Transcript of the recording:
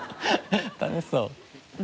楽しそう！